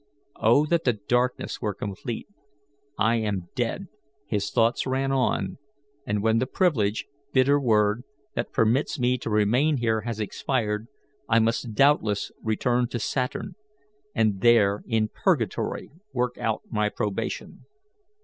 O that the darkness were complete! I am dead," his thoughts ran on, and when the privilege bitter word! that permits me to remain here has expired, I must doubtless return to Saturn, and there in purgatory work out my probation.